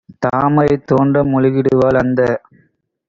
தாமரை தோன்ற முழுகிடுவாள்! - அந்தக்